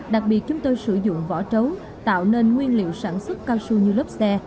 đặc biệt chúng tôi sử dụng vỏ trấu tạo nên nguyên liệu sản xuất cao su như lớp xe